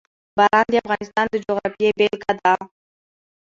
باران د افغانستان د جغرافیې بېلګه ده.